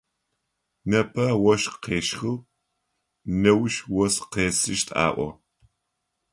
Непэ ощх къещхыгъ, неущ ос къесыщт аӏо.